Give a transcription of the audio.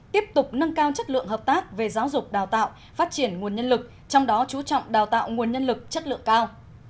tiếp tục nâng cao chất lượng hợp tác về giáo dục đào tạo phát triển nguồn nhân lực trong đó chú trọng đào tạo nguồn nhân lực chất lượng cao